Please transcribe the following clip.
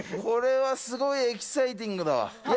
これはすごいエキサイティングだわ。